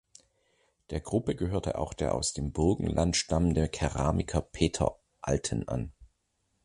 Der Gruppe gehörte auch der aus dem Burgenland stammende Keramiker Peter Alten an.